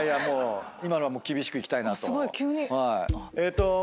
もう今のは厳しくいきたいなと。